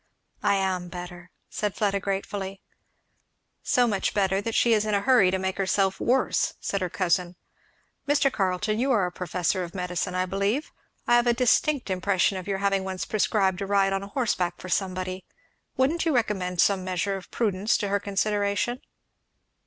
"I am better," said Fleda gratefully. "So much better that she is in a hurry to make herself worse," said her cousin. "Mr. Carleton, you are a professor of medicine, I believe, I have an indistinct impression of your having once prescribed a ride on horseback for somebody; wouldn't you recommend some measure of prudence to her consideration?"